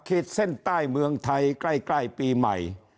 ขีดเส้นใต้เมืองไทยใกล้ปีใหม่